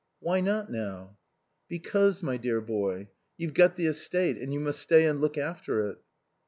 "Why not now?" "Because, my dear boy, you've got the estate and you must stay and look after it."